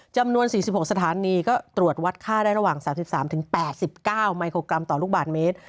จำนวน๔๖สถานีก็ตรวจวัดค่าได้ระหว่าง๓๓๘๙มิโครกรัมต่อลูกบาทเมตร